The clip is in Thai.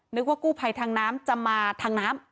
นึกว่ากู้ภัยทางน้ำจะมาทางน้ำ